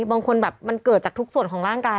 บางคนแบบมันเกิดจากทุกส่วนของร่างกาย